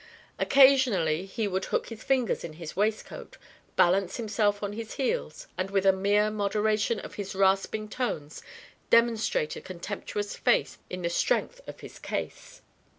Occasionally he would hook his fingers in his waistcoat, balance himself on his heels and with a mere moderation of his rasping tones, demonstrate a contemptuous faith in the strength of his case.